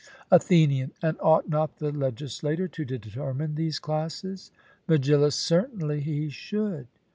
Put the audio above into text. ATHENIAN: And ought not the legislator to determine these classes? MEGILLUS: Certainly he should.